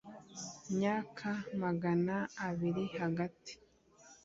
myaka magana abiri hagati